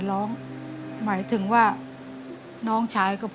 แล้วตอนนี้พี่พากลับไปในสามีออกจากโรงพยาบาลแล้วแล้วตอนนี้จะมาถ่ายรายการ